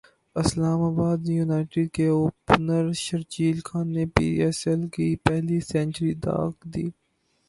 اسلام ابادیونائیٹڈ کے اوپنر شرجیل خان نے P S L کی پہلی سنچری داغ دی